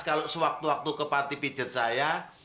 kalau sewaktu waktu ke panti pijat saya